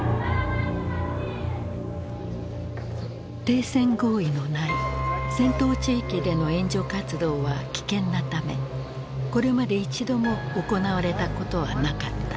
停戦合意のない戦闘地域での援助活動は危険なためこれまで一度も行われたことはなかった。